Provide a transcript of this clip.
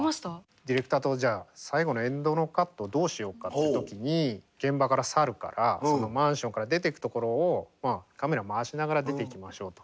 ディレクターとじゃあ最後のエンドのカットどうしようかって時に現場から去るからそのマンションから出ていくところをカメラ回しながら出ていきましょうと。